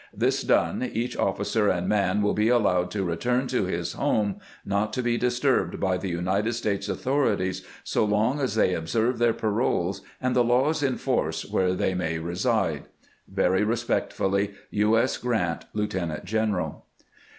This done, each officer and man will be allowed to return to his home, not to be disturbed by the United States authorities so long as they observe their paroles and the laws ia force where they may reside. Very respectfully, U. S. Grant, Lieutenant general.